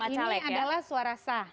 ini adalah suara sah